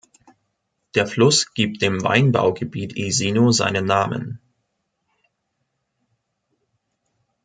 Der Fluss gibt dem Weinbaugebiet Esino seinen Namen.